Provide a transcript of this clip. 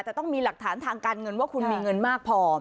แต่ต้องมีหลักฐานทางการเงินว่าคุณมีเงินมากพอ